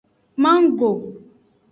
Mango.